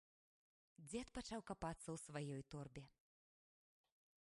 Дзед пачаў капацца ў сваёй торбе.